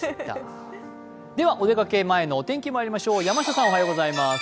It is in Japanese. お出かけ前のお天気まいりましょう。